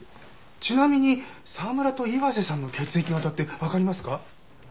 ちなみに沢村と岩瀬さんの血液型ってわかりますか？